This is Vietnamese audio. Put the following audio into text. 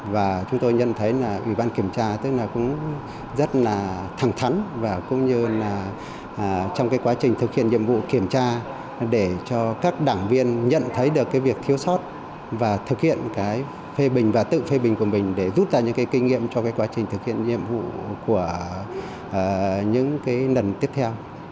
và chúng tôi nhận thấy là ủy ban kiểm tra tức là cũng rất là thẳng thắn và cũng như là trong cái quá trình thực hiện nhiệm vụ kiểm tra để cho các đảng viên nhận thấy được cái việc thiếu sót và thực hiện cái phê bình và tự phê bình của mình để rút ra những cái kinh nghiệm cho cái quá trình thực hiện nhiệm vụ của những cái lần tiếp theo